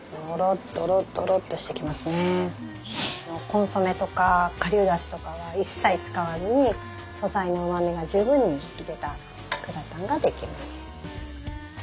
コンソメとか顆粒だしとかは一切使わずに素材のうまみが十分に引き出たグラタンが出来ます。